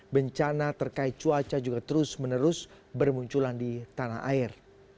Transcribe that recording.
bencana terkait cuaca juga terus menerus bermunculan di tanah air